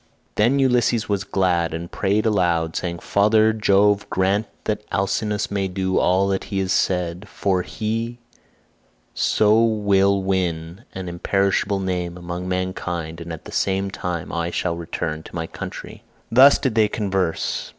Then was Ulysses glad and prayed aloud saying, "Father Jove, grant that Alcinous may do all as he has said, for so he will win an imperishable name among mankind, and at the same time I shall return to my country." Thus did they converse.